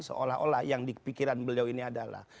seolah olah yang di pikiran beliau ini adalah